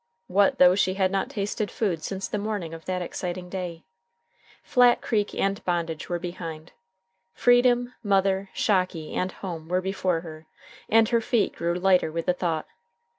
What though she had not tasted food since the morning of that exciting day? Flat Creek and bondage were behind; freedom, mother, Shocky, and home were before her, and her feet grew lighter with the thought.